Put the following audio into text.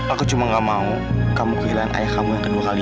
aku cuma gak mau kamu kehilangan ayah kamu yang kedua kali